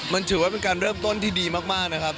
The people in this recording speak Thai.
มันถือว่าเป็นการเริ่มต้นที่ดีมากนะครับ